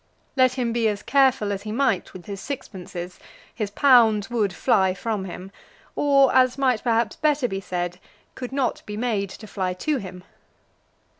Let him be as careful as he might with his sixpences, his pounds would fly from him, or, as might, perhaps, be better said, could not be made to fly to him.